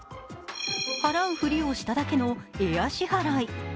払うふりをしただけのエア支払い。